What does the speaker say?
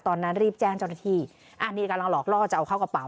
ตอนนั้นรีบแจ้งเจ้าหน้าที่อันนี้กำลังหลอกล่อจะเอาเข้ากระเป๋